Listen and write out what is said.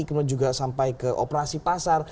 kemudian juga sampai ke operasi pasar